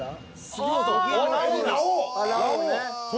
杉本。